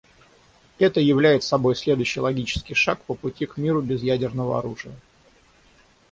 Это являет собой следующий логический шаг по пути к миру без ядерного оружия.